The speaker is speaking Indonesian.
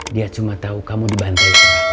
dia cuma tahu kamu dibantai